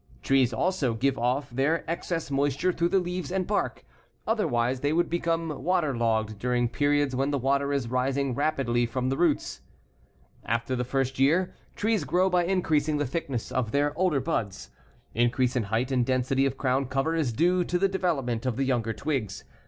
Trees also give off their excess moisture through the leaves and bark. Otherwise they would become waterlogged during periods when the water is rising rapidly from the roots. After the first year, trees grow by increasing the thickness of the older buds. Increase in height and density of crown cover is due to the development of the younger twigs.